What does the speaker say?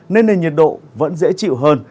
nên nền nhiệt độ vẫn dễ chịu hơn